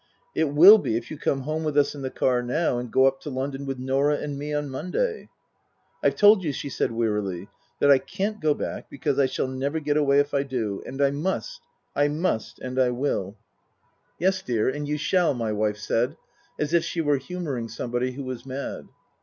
It will be if you come home with us in the car now, and go up to town with Norah and me on Monday." " I've told you," she said wearily, " that I can't go back because I shall never get away if I do. And I must I must and I will." 246 Tasker Jevons " Yes, dear, and you shall," my wife said, as if she were humouring somebody who was mad.